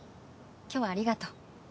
今日はありがとう。